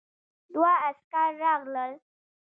دوه عسکر راغلل.